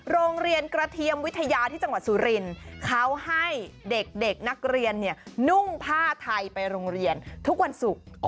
โรงเรียนกระเทียมวิทยาที่จังหวัดสุรินทร์เขาให้เด็กนักเรียนนุ่งผ้าไทยไปโรงเรียนทุกวันศุกร์